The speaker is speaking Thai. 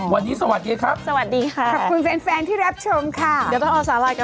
วันนี้สวัสดีครับสวัสดีค่ะขอบคุณแฟนที่รับชมค่ะสวัสดีค่ะ